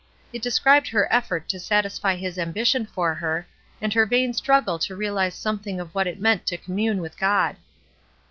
It described her effort to satisfy his ambition for her, and her vain struggle to reaUze something of what it meant to commune with God.